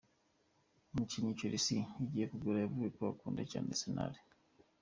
Umukinnyi Chelsea igiye kugura yavuze ko akunda cyane Arsenal .